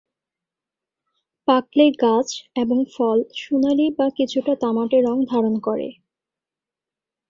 পাকলে গাছ এবং ফল সোনালী বা কিছুটা তামাটে রং ধারণ করে।